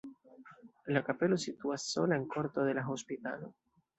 La kapelo situas sola en korto de la hospitalo.